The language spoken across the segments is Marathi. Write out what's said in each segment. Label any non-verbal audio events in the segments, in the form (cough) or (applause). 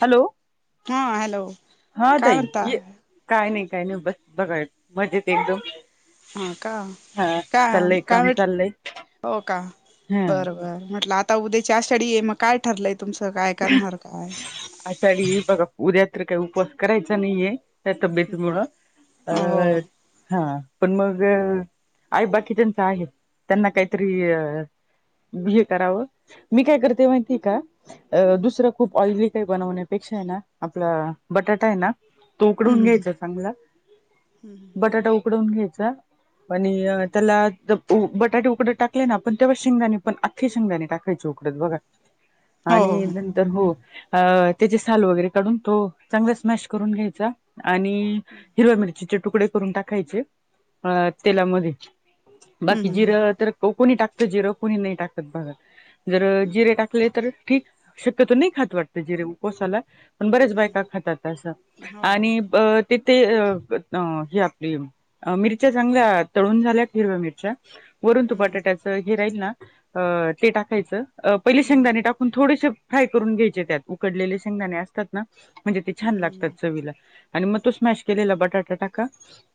हॅलो हा हॅलो हा काय तई म्हणता ये काय नाही काय नाही बस बघाय मजेत एकदम हा का हा काय चाललंय काम काय चाललंय हो का हा बर बर म्हटलं आ आता उद्याच्या आषाढ मग काय ठरलंय तुमचं काय करणार काय आषाढ येईल बघा उद्या तर काही उपवास करायचा नाहीये त्या तब्येतीमुळं अ हो हो हा पण मग आहे बाकी त्यांच आहे त्यांना काहीतरी बी हे करावं मी काय करते माहिती का अ दुसरं खूप ऑइली काही बनवण्यापेक्षा आहे ना आपला बटाटा आहे ना तो उकडून हम्म घ्यायचा चांगला हम्म बटाटा उकडून घ्यायचा आणि त्याला बटाटे उकडत टाकले ना आपण तेव्हा शेंगदाणे पण अखे शेंगदाणे टाकायची उकडत बघा ह आणि नंतर हो अ त्याचे साल वगैरे काढून तो चांगलाच मॅश करून घ्यायचा आणि हिरव्या मिरची चे तुकडे करून टाकायचे तेलामध्ये बाकी हम्म जिरं तर कोणी टाकत जिर कोणी नाही टाकत बघ जर जिरे टाक तर ठीक शक्यतो नाही खात वाटत जिरे उपवासाला पण बरच हम्म बायका खातातं असं हम्म हम्म हो हो आणि तिथे ही आपली मिरच्या चांगल्या तळून झाल्या हिरव्या मिरच्या वरून तू हम्म बटाट्याच हे राहील ना ते टाकायचं पहिले हम्म शेंगदानी टाक पण थोडेसे फ्राय करून घ्यायचे त्यात उकडलेले शेंगदाणे असतात ना म्हणजे ते छान हम्म लागतात चवीला आणि मग तो स्मॅश केलेला बटाटा टाका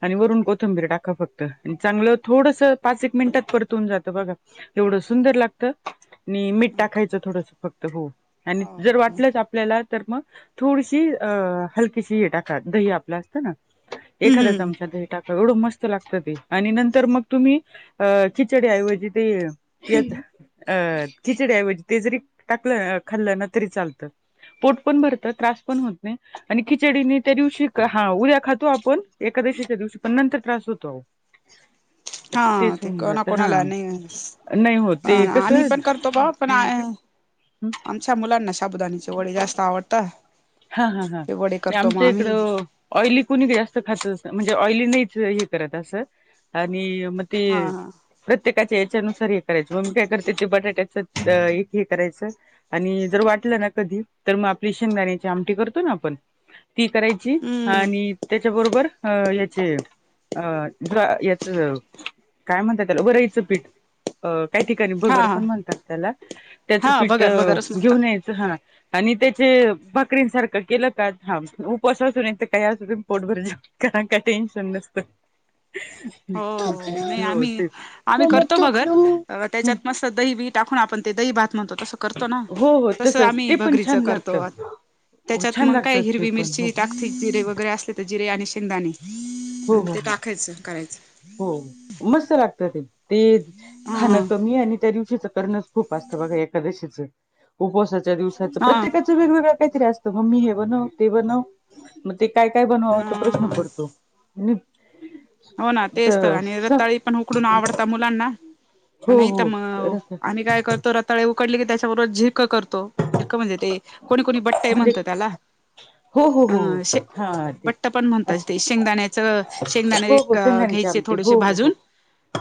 आणि वरून कोथंबीर टाका फक्त चांगलं थोडस पाच एक मिनटात परतवून जातं बघा तेवढं सुंदर लागतं आणि मीठ हो का टाकायचं थोडस फक्त हो आणि हो जर हो वाट आपल्याला तर मग थोडीशी हलकीशी हे टाका दही आपलं असत ना एखादा्या हम्म चमचात हे टाका एवढं मस्त लागतं ते आणि नंतर मग तुम्ही अ खिचडीऐवजी ते येत अ खिचडीऐवजी ते जरी टाकलं खाल्लं ना तरी चालतं पोट पण भरत त्रास पण होत नाही आणि खिचडीने त्या दिवशी हा उद्या खातो आपण एकादशीच्या दिवशी पण नंतर त्रास होतो (unintelligible) हा तेच ते होऊन कोणा जात हा कोणाला नाही नाही होत ते आम्ही पण करतो ब पण हम् आमच्या मुलांना साबुदाण्याचे वडे जास्त आवडतं हा हा हा आमच्या इकडं ऑईली कोणी जास्त खात म्हणजे ऑयली नाहीच हे करत असं आणि म ते हा हा प्रत्येकाच्या इच्छेनुसार हे करायचं मग मी काय करते ते बटाट्याचं एक हे करायचं आणि जर वाटलं ना कधी तर मग आपली शेंगदाण्याची आमटी करतो ना आपण ती करायची हम्म आणि त्याच्याबरोबर अ याचे अ ड्रा याच काय म्हणतात त्याला वरईचं पीठ अ काही ठिकाणी हा भगर हा पण म्हणतात त्याला त्याचं हा पीठ भगर भगरच म्हणतात घेऊन यायचं हा आणि त्याचे भातं क्रिम सारखं केलं का हा उपासाच नाहीतर काय असु दे पोट भरून जेव कारण का, टेन्शन नसत. हो नाही, आम्ही आम्ही मम्मा करतो भगर टोकलो त्याच्यात मी मस्त दही बिही टाकून आपण ते दही भात म्हणतो तसं करतो ना, हो हो तसं तसच आम्ही ते पण भगरीच छान करतो. लागतं हो त्याच्यात छान मंग काय लागतात ते हिरवी पण हो मिरची टाक ठिक जिरे वगैरे असले तर जिरे आणि शेंगदाणे हो आणि हो ते हो टाकायच करायच. हो मस्त लागत ते, ते खाण ह कमी आणि त्या दिवशीच करणंच खूप असत बघा, एकादशीच उपसाच्या दिवसाच हा प्रत्येकाच्या वेगवेगळ्या काहीतरी असतं, मम्मी हे बनव, ते बनव मग ते काय काय बनवावं तो प्रश्न पडतो. मी हो ना, तेच तर आणि स रताळी पण उकडून आवडता मुलांना हो नाही तर हो म आ म्हणजे आम्ही काय करतो रताळे उकडले की त्याच्याबरोबर झिरक करतो, झिरक म्हणजे ते कोणी कोणी बट्टई म्हणत त्याला हो हो अ हो शे हो हा ते बट्ट पण म्हणतात अच्छा ते शेंगदाण्याच, अच्छा शेंगदाणे हो हो शेंगदाण्याची घ्यायचे आमटी थोडेसे हो हो हो भाजून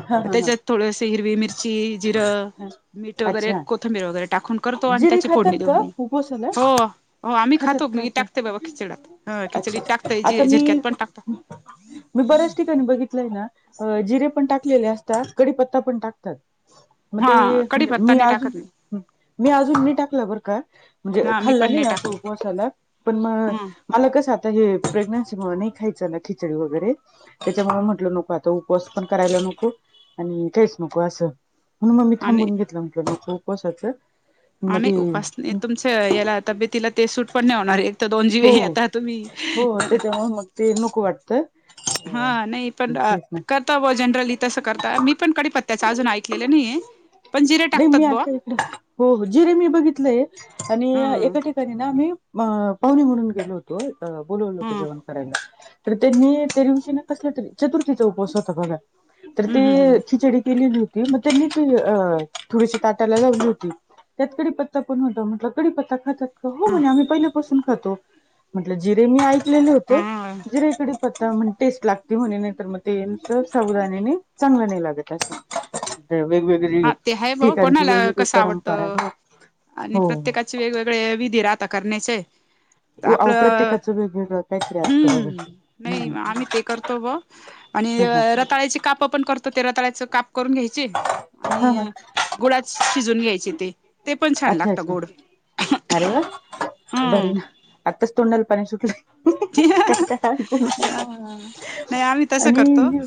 हा हा हा त्याच्यात थोडशी हिरवी मिरची, जिरं हा मीठ वगैरे अच्छा कोथंबीर वगैरे टाकून करतो आणि जिरे त्याची फोडणी खातात देऊन का मी, उपवासाला हो. हो आम्ही खातात खातो का मी अच्छा टाकते बाबा खिचड्यात ह, खिचडीत अच्छा टाकते, आता झिरक्यात मी पण टाकता. मी बऱ्याच ठिकाणी बघितलय ना अ जिरे पण टाकलेले असतात, कडीपत्ता पण टाकतात. म हा ते म्हणजे कडीपत्ता मी नाही अजून, टाकत मी मी अजून नहीं टाकलं बरं का म्हणजे हा मी पण खाल्लं नाही अ टाकत उपवासाला पण मग. हं मला कसं आता हे प्रेग्नन्सी मुळे नाही खायचं ना खिचडी वगैरे त्याच्यामुळ म्हटलं नको आत त उपवास पण करायला नको आणि काहीच नको असं. म्हणून म मी आणि थांबून घेतलं म्हटलं नको उपवासाच, म ती त याला तब्येतीला ते सूट पण नाही होणार एक तर दोन जीव हो आहे आता तुम्ही. हो त्याच्यामुळे मग ते नको वाटत. हा नाही पण अ करता बुवा जनरली तसं करता, मी पण कडीपत्त्याच अजून ऐकलेलं नाहीये. पण जिरे नाही टाकतात मी बुवा आता इकडे, हो जीरे मी बघितलंय आणि ह एका ठिक तरी ना आम्ही म पाहुणी म्हणून गेलो होतो, अ बोलवल होत जेवण ह करायला तर त्यांनी त्या दिवशी ना कसला तरी चतुर्थीचा उपवास होता बघा तर ते खिचडी केलेली होती मग त्यांनी ती अ थोडीशी ताटायला लावली होती त्यात कडीपत्ता पण होता, म्हटलं कडीपत्ता खातात? तरं हो म्हणे, आम्ही पहिल्यापासून खातो म्हटलं जिरे मी ऐकलेलं होत ह जिरे इकडे त म्हणे टेस्ट लागते म्हणे नाही तर मग ते साबुदाणा ने चांगलं नाही लागत असं. (inaudible) वेगवेगळी हा ते आहे बाव ठिकाणची कोणाला वेगवेगळी कसं आवडत परंपरा आहे. आणि हो. प्रत्येकाच चे वेगवेगळे विधी राहता करण्याचे. त अहो आपलं, प्रत्येकाचं वेगवेगळं काहीतरी असतं हम्म बघा नाही हम्म. आम्ही ते करतो बुवा. आणि हा रताळ्याचे काप पण करतो ते रताळ्याच काप करून घ्यायचे हा हा आणि हा गुळात शिजून घ्यायचे ते पण छान अच्छा लागतं अच्छा गोड अरे वा बरी ना, हम्म आत्ताच तोंडाला पाणी सुटलय. काय ऐकू मी नाही आम्ही तसं आणि करतो हे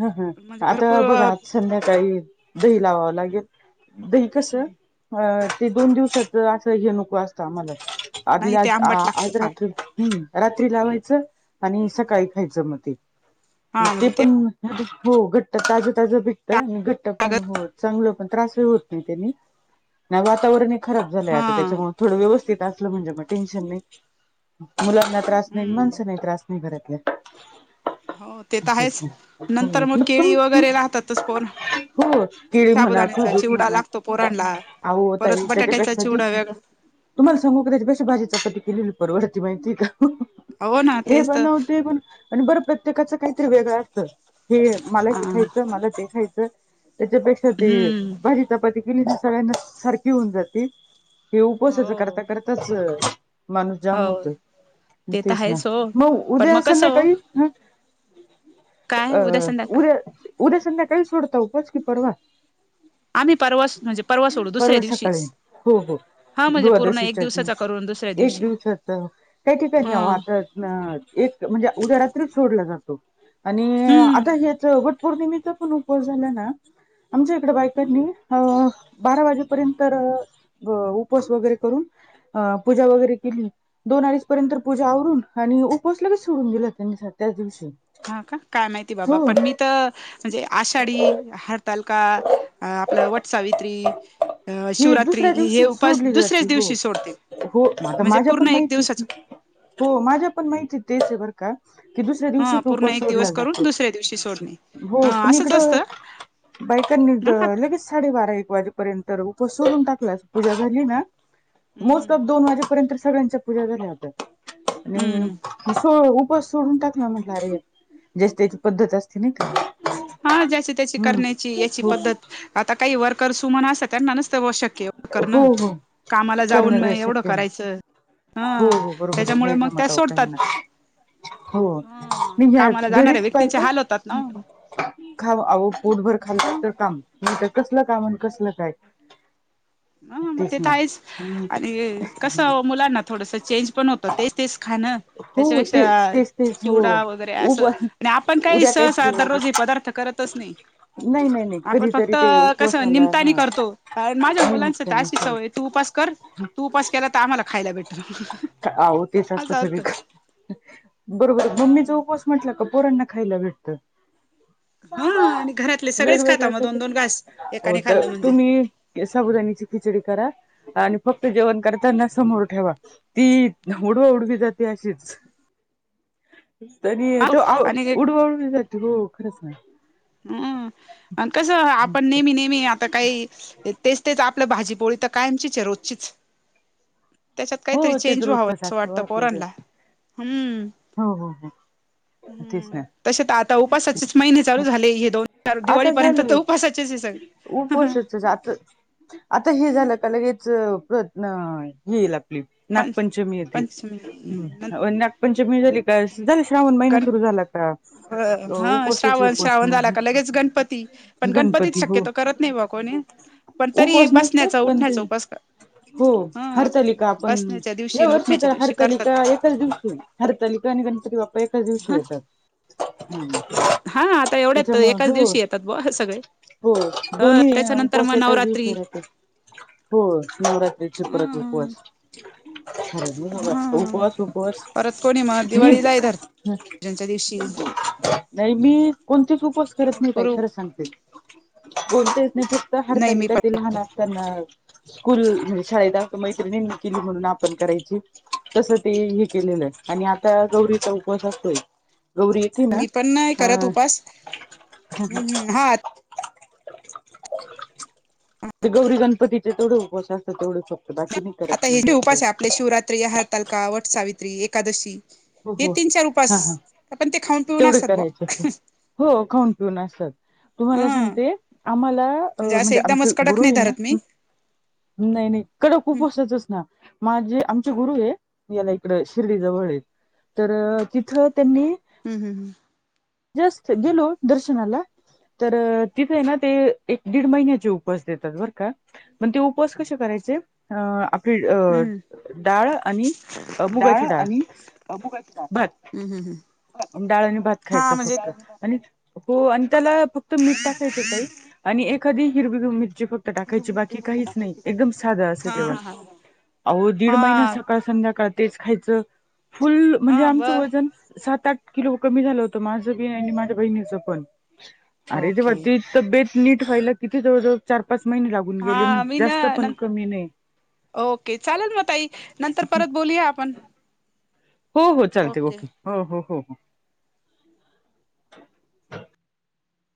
ह हा म्हणजे आता भरपूर बघा आज संध्याकाळी दही लावावं लागेल, दही कसं ह ते दोन दिवसाच असं हे नको असतं आम्हाला नाही आदल्या ते आज आंबट लागतं आज फार रात्री हम्म रात्री लावायचं आणि सकाळी खायचं मग ते, हा ते म्हणजे पण हो घट्ट ताजं ताजं भेटत आणि घट्ट पण लागत हो चांगलं पण त्रास ही होत नाही त्यांनी नाही वातावरणही खराब झालंय हा आता, त्याच्यामुळे थोडं व्यवस्थित असलं म्हणजे मग टेन्शन नाही. मुलांना त्रास नाही, माणसं हम्म नाही त्रास नाही घरातल्या. हो ते तर तेच आहेच ना नंतर हो मग तुम केळी वगैरे राहतातच पोर हो केळी म्हणा साबुदाण्याच्या खजूर चिवडा म्हणा लागतो पोरांना आहो ताई त्याच्या पेक्षा ती तुम्हाला सांगू का त्याच्या पेक्षा भाजी -चपाती केलेली परवडती माहिती का. हो ना हे तेच तर बनव ते बण आणि बरं प्रत्येकाचं काहीतरी वेगळं असतं, हे मला हा हे खायचं मला ते खायचं त्याच्यापेक्षा ते हम्म भाजी -चपाती केली तर सगळ्यांना सारखी होऊन जाते. हे उपवासच हो करता करताच माणूस जाम हो होतोय ते तर तेच ना, आहेच हो मग पण उद्या कसं हो संध्याकाळी काय अ उद्या संध्याकाळ उद्या उद्या संध्याकाळी सोडता उपवास की परवा? आम्ही परवाच म्हणजे परवा सोडू दुसऱ्या परवा सकाळी दिवशीच हो हो. हा म्हणजे पूर्ण एक द्वादशीच्या दिवसाचा करून दुसऱ्या दिवशी एक दिवशी दिवसात काही हा ठिकाणी वाहतात ना एक म्हणजे उद्या रात्री सोडला जातो आणि हम्म आता याच वटपोर्णिमेचा पण उप उपवास झाला ना आमच्या इकडे बायकांनी अं बारा वाजेपर्यंत तर उपवास वगैरे करून अ पूजा वगैरे केली दोन अडीच पर्यंत पूजा आवरून आणि उपवास लगेच सोडून गेले त्याच दिवशी हा का काय माहिती बाबा? हो पण मी तर म्हणजे आषाढी, हार तालका आपलं, वट सावित्री अ ही शिवरात्री दुसऱ्या हे दिवशी उपवास सोडली दुसऱ्याच जाते हो दिवशी सोडते. हो आता म्हणजे माझ्या पूर्ण पण एक माहितीत दिवसाच हो माझ्या पण माहिती तेच आहे बरं का की, दुसऱ्या दिवशी ह पूर्ण उपवास एक सोडला दिवस करून जातो. दुसऱ्या दिवशी सोडणे हो ह पण असंच इकडं असतं बायकांनी ना हा लगेच साडेबारा -एक वाजे पर्यंत तर उपवास सोडून टाकला, पुजा झाली ना नुसता हम्म दोन वाजेपर्यंत पूजा झाली आता अ आणि उपवास सोडून टाकला म्हटलं अरे, ज्याची -त्याची पद्धत असते नाही का. हा ज्याची त्याची करण्याची हम्म याची हो पद्धत आता काही वर्कर वुमन्स असतात त्यांना नसत बाबा शक्य एवढं हो करणं, हो कामाला जाऊन करणं न काय एवढं शक्य नाही करायचं. हो ह हो बरोबर आहे, त्याच्यामुळे नाही मग जमत त्या काही सोडतात ना. हो हा मी घ कामाला जाणाऱ्या घरीच पाय व्यक्तींचे का हाल होतात ना खा आहो पोटभर खाला ह तर काम नाही तर कसलं काम आणि कसलं काय. ह मग तेच ते तर ना आहेच हम्म आणि कसं मुलांना थोडस चेंज पण होतं तेच तेच खाणं. हो तेच त्याच्यापेक्षा तेच तेच हो चिवडा वगैरे उप असं आणि आपण काही उद्या सहसा दररोज हे काहीच पदार्थ करत नाही, नाही नाही नाही आपण कधीतरी फक्त ते कस उपवासाला निमतानी हा करतो कारण माझ्या मुलांची निमित्ताने अशी सवय आहे. तू उपास कर, तू उपास केला तर आम्हाला खायला भेटल. आहो ते जास्त असं असत सगळीकड, बरोबर हा मम्मी चा उपवास? म्हटलं का पोरांना खायला भेटतं. हा पापा. आणि घरातले सगळेच खाता वेगवेगळ मग काय दोन तर, दोन घास हो एकाने खाल्लं तर म्हणजे तुम्ही. साबुदानीची खिचडी करा आणि फक्त जेवण करताना समोर ठेवा. ती उडवा उडवी जाते अशीच. तरी तो आउ आणि उडवा उडवी जाती, हो खरंच. हम, आण कसं? आपण नेहमी नेहमी आता काही तेच तेच आपलं भाजीपोळी तर कायमचीच आहे रोजचीच. त्याच्यात हो काहीतरी ते तर चेंज व्हावं रोजचच असं असतं हो वाटतं आपलं ते पोरांना, हम्म. हो हो हो तेच हम्म ना. तसे आता उपासाचेच महिने चालू झाले हे दोन चार दिवाळीपर्यंत तर उपासाचेच हे सग उपवासच. तो जात. आता हे झालं का लगेच अ प्रतण येईल आता. पं नागपंचमी येते. पंचमी न नागपंचमी झाली का? झाला श्रावण महिना सुरु झाला. ॲप्स ह, हं श्रावण. श्रावण झाला का लगेच गणपती, पण गणपतीत शक्यतो करत नाही बा कोणी. पण तरी उपास नसतोय, बसण्याचा पण ते उठण्याचा उपास हा हरतालीका पण बसण्याच्या दिवशी या आणि वर्षी उठण्याच्या तर दिवशी हरतालीका? करतात एकाच दिवशी आहे. हरतालिका आणि गणपती बाप्पा एकाच दिवशी ह येतात. ह हा आता एवढ्यात त्याच्यामुळ एकाच हो. दिवशी येतात ब सगळे हो अ दोन्ही त्याच्यानंतर मग उपवास एकाच नवरात्री दिवशीवर येतात. हो नवरात्रीचे अ परत उपवास. होय म हा उपवास उपवास. परत कोणी मग मी दिवाळीला येधरत. नाही मी कोणतेच उपवास करत नाही ताई, भरपूर खरं सांगते. बोलता येत नाही फक्त नाही मी हरतालिका तेन पण म्हणा. त्यांना स्कूल म्हणजे शाळेेत दाखव मैत्रिणींना केली म्हणून आपण करायची. तस ते हे केलेलं आहे आणि आता गौरीचा उपवास असतोय. गौरी. येते ना मी पण नाही करत हा उपास, हम हम्म हा. ते गौरी गणपतीचे तेवढं उपवास असतात, तेवढंच फक्त बाकी नाही काही आता हे जे उपास आहे. आपले शिवरात्री, हरतालिका, वटसावित्री, एकादशी. हो हे हो. तीन चार हा उपास हा आपण ते खाऊन पिऊन तेवढे असतात करायचे बुवा. हो खाऊन पिऊन असतात. तुम्हाला हा सांगते आम्हाला अ असं म्हणजे आमचे एकदमच कडक गुरु नाही आहे ना? धरत मी हम नाही, नाही कडक हम्म उपवासाचच? ना. माझे आमचे गुरु आहे, याला इकडं शिर्डी जवळ आहेत. तर तिथं त्यांनी? हम् हम् हम. जस्ट गेलो दर्शनाला तर तिथे ना ते एक दीड महिन्याचे उपवास देतात बरं का? मग ते उपवास कसे करायचे? आ अप अ हम्म हम्म डाळ आणि मुंगाची डाळ, भात! हम् हम हं. डाळ आणि भात खायच फक्त, आणि हो आणि त्याला फक्त मिठ टाकायचं ताई आणि एखादी हिरवी मिरची फ टाकायची बाकी काहीच नाही एकदम साधं असं जेवण, अहो दीड महिना हा सकाळ संध्याकाळ तेच खायचं, फुल म्हणजे हा आमचं बर वजन सात, आठ किलो कमी झालं होत माझं बी आणि माझ्या बहिणीच पण, अरे तेव्हा ओके ती तब्येत नीट व्हायला किती जवळ जवळ चार पाच महिने लाग हा मी न न ओके चालेल मग ताई नंतर परत बोलूया आपण. हो हो चालते ओके, हो हो हो हो.